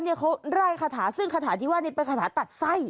เขาไล่คาถาซึ่งคาถาที่ว่านี่เป็นคาถาตัดไส้